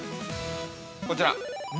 ◆こちら！